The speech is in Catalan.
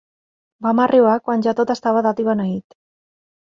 Vam arribar quan ja tot estava dat i beneït.